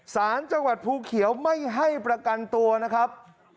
สารจังหวัดภูเขียวไม่ให้ประกันตัวนะครับ